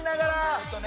ちょっとね。